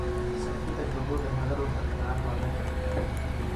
سطحي تجربو د هغه روح ته قناعت ورنکړ.